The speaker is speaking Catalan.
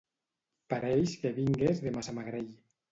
Pareix que vingues de Massamagrell.